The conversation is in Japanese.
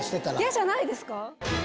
嫌じゃないですか？